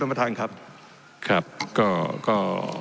ต้องประทานครับครับก็ก็